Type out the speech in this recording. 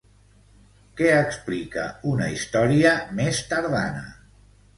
Què explica una història més tardana?